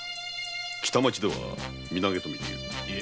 北町は「身投げ」と見ている。